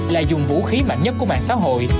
là dùng vũ khí mạnh nhất của mạng xã hội